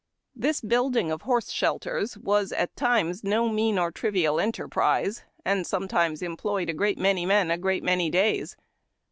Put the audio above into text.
This building of horse shelters was at times no mean or trivial enterprise, and sometimes employed a great many men a great many days.